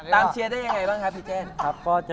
ตามเชียร์ได้ยังไงบ้างครับพี่เจน